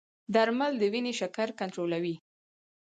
درمل د وینې شکر کنټرولوي.